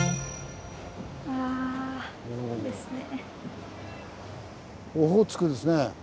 あいいですね。